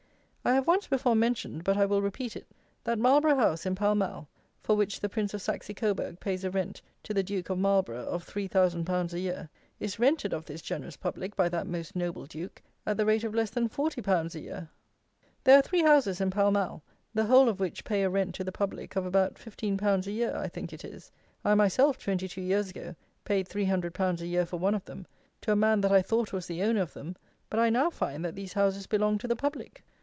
I have once before mentioned, but I will repeat it, that Marlborough House in Pall Mall, for which the Prince of Saxe Coburg pays a rent to the Duke of Marlborough of three thousand pounds a year, is rented of this generous public by that most Noble Duke at the rate of less than forty pounds a year. There are three houses in Pall Mall, the whole of which pay a rent to the public of about fifteen pounds a year, I think it is. I myself, twenty two years ago, paid three hundred pounds a year for one of them, to a man that I thought was the owner of them; but I now find that these houses belong to the public.